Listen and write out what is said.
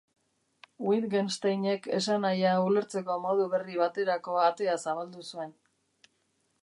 Wittgensteinek esanahia ulertzeko modu berri baterako atea zabaldu zuen.